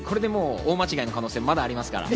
大間違いの可能性もありますから。